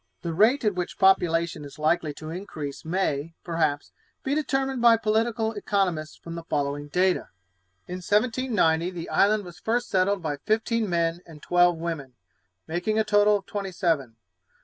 The rate at which population is likely to increase may, perhaps, be determined by political economists from the following data. In 1790 the island was first settled by fifteen men and twelve women, making a total of twenty seven.